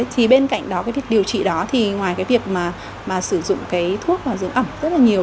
thì bên cạnh đó cái việc điều trị đó thì ngoài cái việc mà sử dụng cái thuốc dưỡng ẩm rất là nhiều